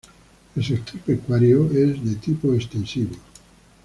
El sector pecuario es de tipo extensivo.